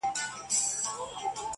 زړه په پیوند دی.